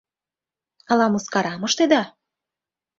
— Ала мыскарам ыштеда?